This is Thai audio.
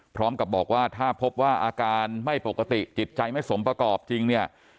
พร้อมกับบอกว่าถ้าพบว่าอาการไม่ปกติจิตใจไม่สมประกอบจริงเนี่ย